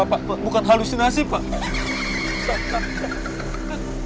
pak pak pak bukan halusinasi pak